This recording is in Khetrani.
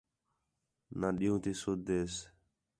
نہ ݙِین٘ہوں تی سُد ہِس